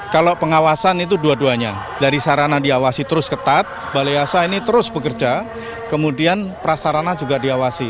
kalau pengawasan itu dua duanya dari sarana diawasi terus ketat balai asa ini terus bekerja kemudian prasarana juga diawasi